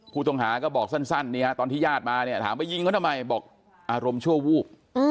ผู้ต้องหาก็บอกสั้นตอนที่ญาติมาเนี่ยถามไปยิงเขาทำไมบอกอารมณ์ชั่ววูบ